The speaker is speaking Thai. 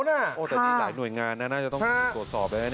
แต่นี่หลายหน่วยงานน่าจะต้องตรวจสอบ